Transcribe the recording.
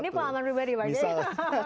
ini pengalaman pribadi pak